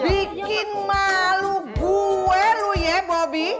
bikin malu gue lu ya bobby